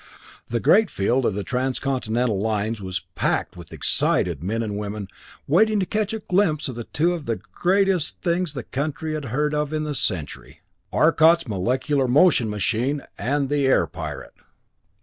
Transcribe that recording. The great field of the Transcontinental lines was packed with excited men and women, waiting to catch a glimpse of two of the greatest things the country had heard of in the century Arcot's molecular motion machine and the Air Pirate!